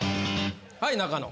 はい中野。